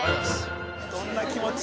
どんな気持ちよ？